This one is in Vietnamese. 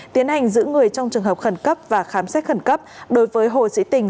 tiến hành giữ người trong trường hợp khẩn cấp và khám xét khẩn cấp đối với hồ sĩ tình